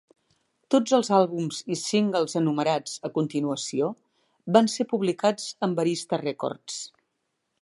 Tots els àlbums i singles enumerats a continuació van ser publicats amb Arista Records.